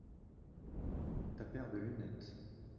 ta paire de lunettes.